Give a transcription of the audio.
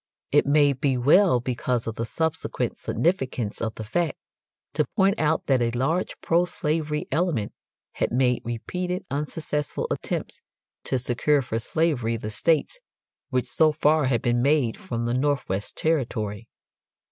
It may be well, because of the subsequent significance of the fact, to point out that a large pro slavery element had made repeated unsuccessful attempts to secure for slavery the states which so far had been made from the Northwest Territory.